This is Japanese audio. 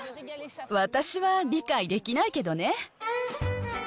私は理解できないけどね。